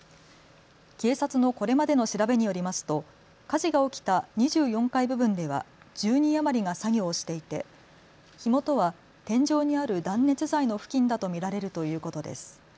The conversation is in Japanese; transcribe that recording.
警察のこれまでの調べによりますと火事が起きた２４階部分では１０人余りが作業をしていて火元は天井にある断熱材の付近だと見られるということです。